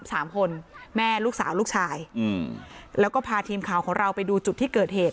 สามคนแม่ลูกสาวลูกชายอืมแล้วก็พาทีมข่าวของเราไปดูจุดที่เกิดเหตุ